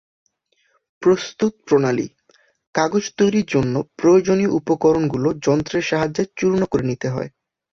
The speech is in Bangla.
প্রস্তুতপ্রণালি: কাগজ তৈরির জন্য প্রয়োজনীয় উপকরণগুলো যন্ত্রের সাহাযে৵ চূর্ণ করে নিতে হয়।